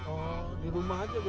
oh dirumah saja